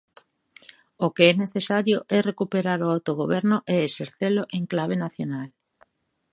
O que é necesario é recuperar o autogoberno e exercelo en clave nacional.